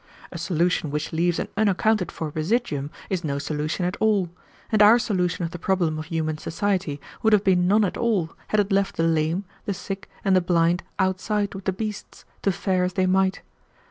"A solution which leaves an unaccounted for residuum is no solution at all; and our solution of the problem of human society would have been none at all had it left the lame, the sick, and the blind outside with the beasts, to fare as they might.